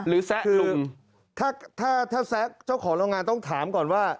หรือแซะลุงคือถ้าถ้าแซะเจ้าของโรงงานต้องถามก่อนว่า